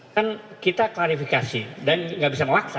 kan kita klarifikasi dan tidak bisa melaksa